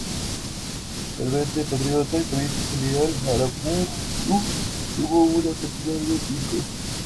Ferviente patriota y político leal, Aramburú tuvo una personalidad vigorosa.